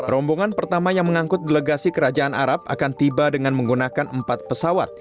rombongan pertama yang mengangkut delegasi kerajaan arab akan tiba dengan menggunakan empat pesawat